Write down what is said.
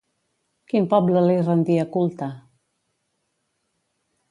Quin poble li rendia culte?